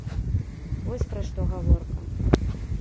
Вось пра што гаворка.